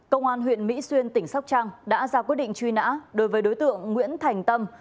công an huyện mỹ xuyên tỉnh sóc trăng đã ra quyết định truy nã đối với đối tượng nguyễn thành tâm